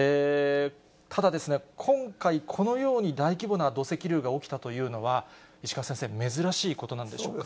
ただ、今回、このように大規模な土石流が起きたというのは、石川先生、珍しいことなんでしょうか。